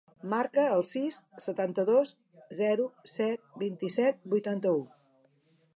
Marca el sis, setanta-dos, zero, set, vint-i-set, vuitanta-u.